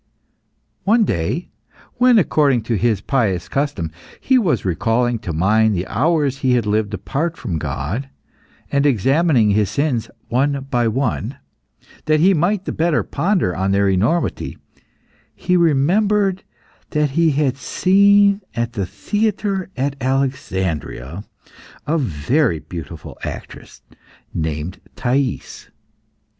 One day when, according to his pious custom, he was recalling to mind the hours he had lived apart from God, and examining his sins one by one, that he might the better ponder on their enormity, he remembered that he had seen at the theatre at Alexandria a very beautiful actress named Thais.